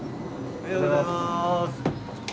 おはようございます。